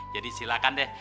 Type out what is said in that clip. jadi silakan deh